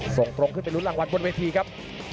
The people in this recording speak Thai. ส่งตรงขึ้นไปรุ้นรางวัลบนเวทีครับ